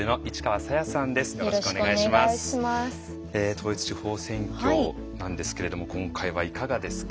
統一地方選挙なんですけれども今回はいかがですか？